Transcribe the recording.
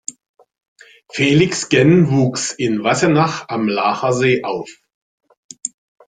Felix Genn wuchs in Wassenach am Laacher See auf.